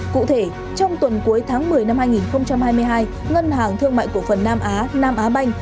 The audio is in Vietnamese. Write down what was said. cụ thể trong tuần cuối tháng một mươi năm hai nghìn hai mươi hai ngân hàng thương mại cổ phần nam á nam á banh